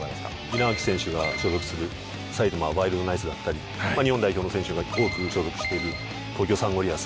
稲垣選手が所属する埼玉ワイルドナイツだったり日本代表の選手が多く所属している東京サンゴリアス。